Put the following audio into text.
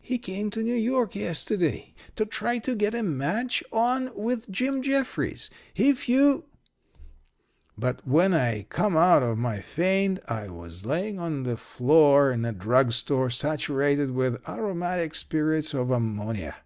He came to New York yesterday, to try to get a match on with Jim Jeffries. If you ' "But when I come out of my faint I was laying on the floor in a drug store saturated with aromatic spirits of ammonia.